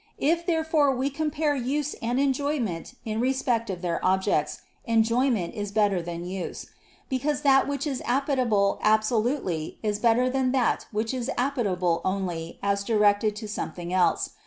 If therefore we compare use and enjoyment in respect of their objects, enjoyment is better than use; because that which is appetible absolutely is better than that which is appetible only as directed to something else.